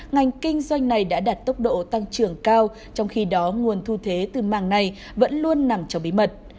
ngành kinh doanh này đã đạt tốc độ tăng trưởng cao trong khi đó nguồn thu thế từ màng này vẫn luôn nằm trong bí mật